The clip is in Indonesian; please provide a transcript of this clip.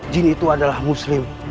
jin itu adalah muslim